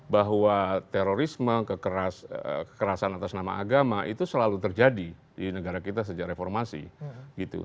bahwa terorisme kekerasan atas nama agama itu selalu terjadi di negara kita sejak reformasi gitu